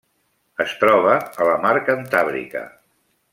Es troba a la Mar Cantàbrica.